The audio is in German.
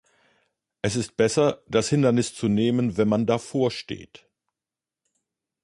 Es ist besser, das Hindernis zu nehmen, wenn man davor steht.